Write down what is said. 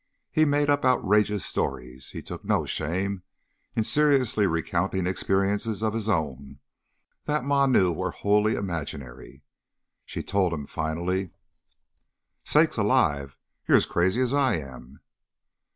He made up outrageous stories, and he took no shame in seriously recounting experiences of his own that Ma knew were wholly imaginary. She told him, finally: "Sakes alive! You're as crazy as I am."